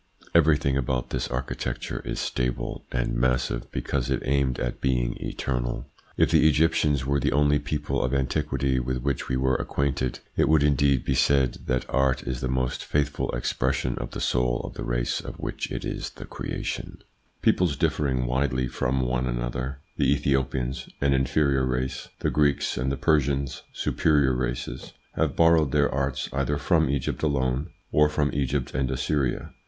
Everything about this architecture is stable and massive because it aimed at being eternal. If the Egyptians were the only people ot antiquity with which we were acquainted, it could indeed be said that art is the most faithful expression of the soul of the race of which it is the creation. 104 THE PSYCHOLOGY OF PEOPLES: Peoples differing widely from one another the Ethiopians, an ^inferior race ; the Greeks and the Persians, superior races have borrowed their arts either from Egypt alone, or from Egypt and Assyria.